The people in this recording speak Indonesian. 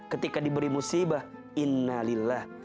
ketika diberi musibah innalillah